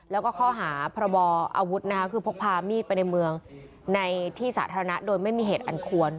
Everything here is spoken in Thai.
แล้วก็ข้อหาพรบออาวุธนะคะคือพกพามีดไปในเมืองในที่สาธารณะโดยไม่มีเหตุอันควร